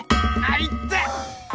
あいって！